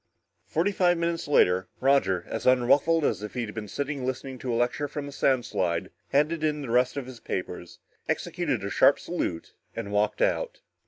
Forty five minutes later, Roger, as unruffled as if he had been sitting listening to a lecture from a sound slide, handed in the rest of his papers, executed a sharp salute and walked out.